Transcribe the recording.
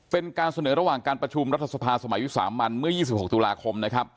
เป็นการเสนอระหว่างการประชุมรัฐสภาสมัยวิสามันเมื่อ๒๖ตุลาคมนะครับ